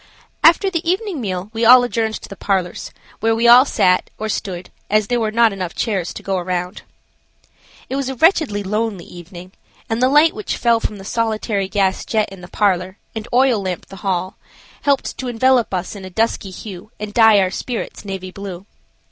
After the evening meal we all adjourned to the parlors, where all sat, or stood, as there were not chairs enough to go round. It was a wretchedly lonely evening, and the light which fell from the solitary gas jet in the parlor, and oil lamp the hall, helped to envelop us in a dusky hue and dye our spirits navy blue.